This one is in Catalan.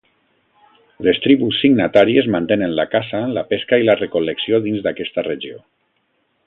Les tribus signatàries mantenen la caça, la pesca i la recol·lecció dins d'aquesta regió.